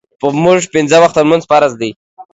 پۀ مونږ پينځۀ وخته مونځ فرض دے